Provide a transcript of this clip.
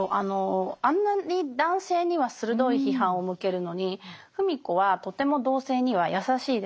あんなに男性には鋭い批判を向けるのに芙美子はとても同性には優しいです。